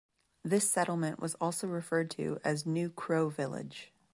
This settlement was also referred to as New Crow Village.